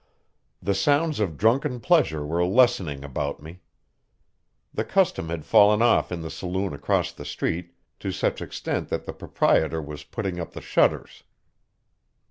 The sounds of drunken pleasure were lessening about me. The custom had fallen off in the saloon across the street to such extent that the proprietor was putting up the shutters.